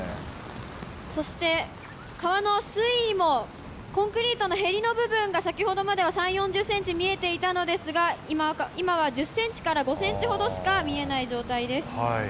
そして川の水位も、コンクリートのへりの部分が、先ほどまでは３、４０センチ見えていたのですが、今は１０センチから５センチほどしか見えない状態です。